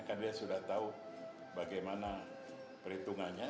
karena dia sudah tahu bagaimana perhitungannya